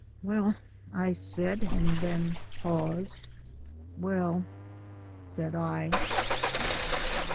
"Well " I said, and then paused. "Well..." said I.